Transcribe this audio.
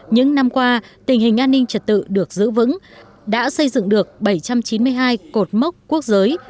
những năm qua tình hình an ninh trật tự được giữ vững đã xây dựng được bảy trăm chín mươi hai cột mốc quốc giới